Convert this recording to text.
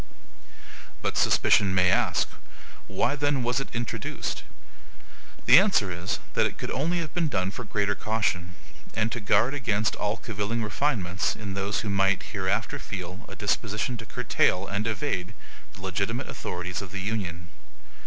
But SUSPICION may ask, Why then was it introduced? The answer is, that it could only have been done for greater caution, and to guard against all cavilling refinements in those who might hereafter feel a disposition to curtail and evade the legitimate authorities of the Union.